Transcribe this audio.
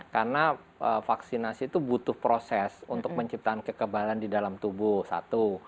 karena vaksinasi itu butuh proses untuk menciptakan kekebalan di dalam tubuh satu